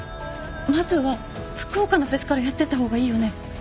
まずは福岡のフェスからやってった方がいいよね？